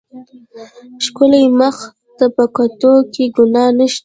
ښکلي مخ ته په کتو کښې ګناه نشته.